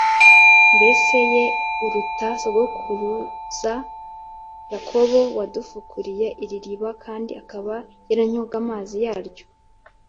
Mbese ye uruta sogokuruza Yakobo, wadufukuriye iri riba, kandi akaba yaranywaga amazi yaryo?